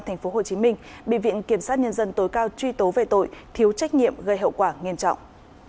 tp hcm bị viện kiểm sát nhân dân tối cao truy tố về tội thiếu trách nhiệm gây hậu quả nghiêm trọng